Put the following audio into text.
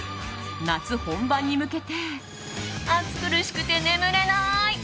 夏本番に向けて暑苦しくて眠れない！